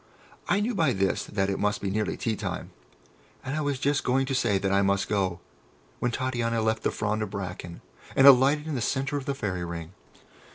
I knew by this that it must be nearly tea time, and I was just going to say that I must go, when Titania left the frond of bracken, and alighted in the centre of the Fairy Ring.